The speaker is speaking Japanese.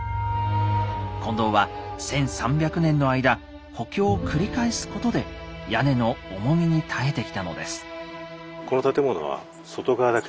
金堂は１，３００年の間補強を繰り返すことで屋根の重みに耐えてきたのです。